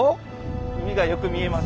海がよく見えます。